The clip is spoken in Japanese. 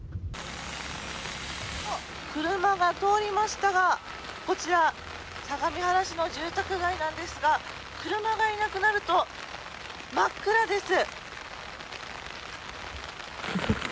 車が通りましたがこちら、相模原市の住宅街なんですが車がいなくなると真っ暗です。